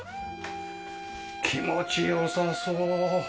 気持ち良さそう。